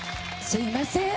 すみません。